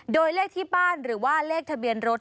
โดยเลขที่บ้านหรือว่าเลขทะเบียนรถ